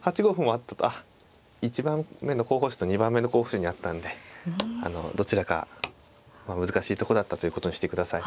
あっ１番目の候補手と２番目の候補手にあったんでどちらか難しいとこだったということにしてください。